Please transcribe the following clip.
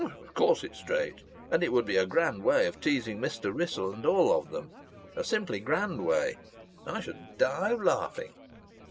"Of course it's straight. And it would be a grand way of teasing Mr. Wrissell and all of 'em! A simply grand way! I should die of laughing."